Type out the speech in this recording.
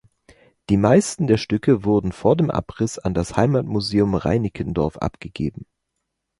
Die meisten der Stücke wurden vor dem Abriss an das Heimatmuseum Reinickendorf abgegeben.